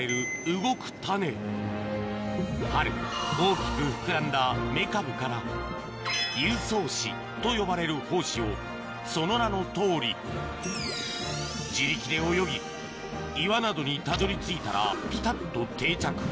動くタネ春大きく膨らんだメカブから遊走子と呼ばれる胞子をその名のとおり自力で泳ぎ岩などにたどり着いたらピタっと定着